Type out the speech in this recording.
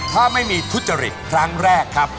ถ้าไม่มีทุจริตครั้งแรกครับ